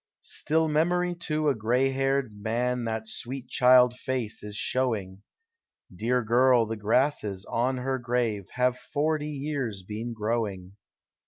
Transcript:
Still memory to a gray haired man That sweet c!:il 1 face is showing. 1G4 POEM* OF HOME. Dear girl ! tin? grasses on her grave Have forty years been growing!